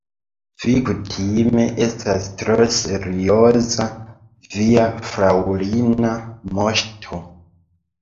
Vi kutime estas tro serioza, via fraŭlina moŝto.